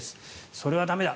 それは駄目だ